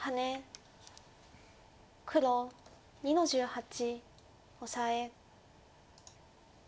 黒２の十八オサエ。